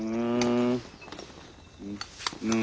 うん。